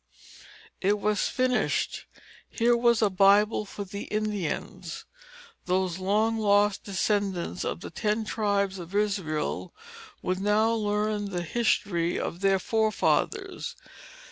It was finished. Here was a Bible for the Indians. Those long lost descendants of the ten tribes of Israel would now learn the history of their forefathers.